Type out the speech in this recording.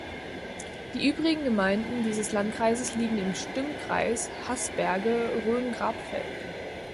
Die übrigen Gemeinden dieses Landkreises liegen im Stimmkreis Haßberge, Rhön-Grabfeld.